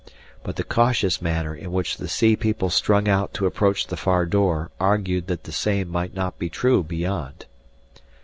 But the cautious manner in which the sea people strung out to approach the far door argued that the same might not be true beyond.